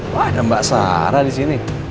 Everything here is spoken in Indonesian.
wah ada mbak sarah disini